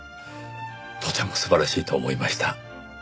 とても素晴らしいと思いました。